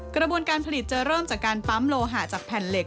กระบวนการผลิตจะเริ่มจากการปั๊มโลหะจากแผ่นเหล็ก